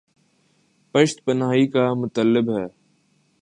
پشت پناہی کامطلب ہے۔